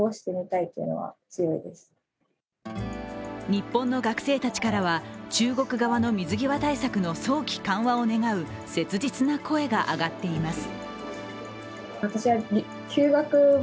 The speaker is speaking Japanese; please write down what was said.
日本の学生たちからは中国側の水際対策の早期緩和を願う切実な声が上がっています。